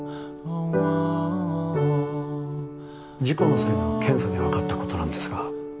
事故の際の検査で分かったことなんですが